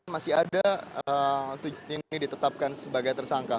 masih ada ini ditetapkan sebagai tersangka